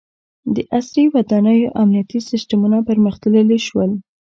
• د عصري ودانیو امنیتي سیستمونه پرمختللي شول.